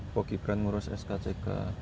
pogi brand ngurus skck